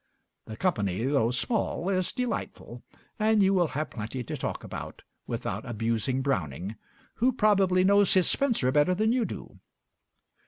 The company, though small, is delightful, and you will have plenty to talk about without abusing Browning, who probably knows his Spenser better than you do.